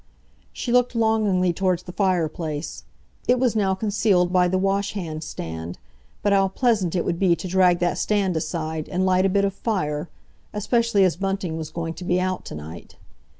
She looked longingly towards the fireplace. It was now concealed by the washhand stand, but how pleasant it would be to drag that stand aside and light a bit of fire, especially as Bunting was going to be out to night.